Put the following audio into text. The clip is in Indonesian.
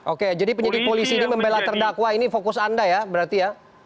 oke jadi penyidik polisi ini membela terdakwa ini fokus anda ya berarti ya